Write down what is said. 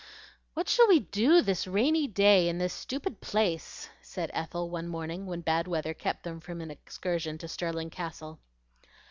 "What shall we do this rainy day in this stupid place?" said Ethel, one morning when bad weather kept them from an excursion to Stirling Castle.